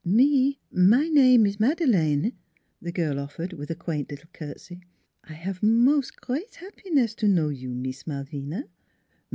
" Me, my name is Madeleine," the girl offered, with a quaint little curtsy. " I 'ave mos' g reat 'appiness to know you, Mees Malvina."